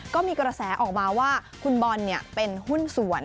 ก็มีกระแสออกมาว่าคุณบอลเป็นหุ้นส่วน